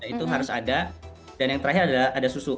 itu harus ada dan yang terakhir adalah ada susu